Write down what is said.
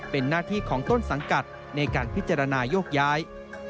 เป็นหน้าที่ของต้นสังกัดในการพิจารณาโยกย้าย